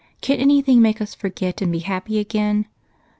Can anything make us forget and be happy again?"